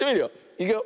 いくよ。